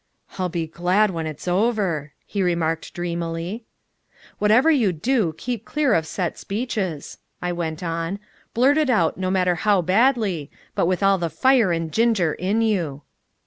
"I'll be glad when it's over," he remarked dreamily. "Whatever you do, keep clear of set speeches," I went on. "Blurt it out, no matter how badly but with all the fire and ginger in you."